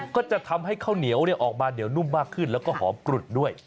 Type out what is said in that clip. ก็จะทำให้ข้าวเหนียวออกมาเหนียวนุ่มมากขึ้นแล้วก็หอมกรุดด้วย